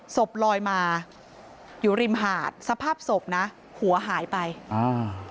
ศพลอยมาอยู่ริมหาดสภาพศพนะหัวหายไปอ่า